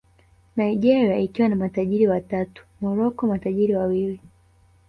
Nigeria ikiwa na matajiri watatu Morocco matajiri wawili